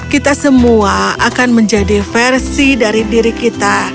kita semua akan menjadi versi dari diri kita